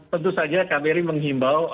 tentu saja kami mengimbau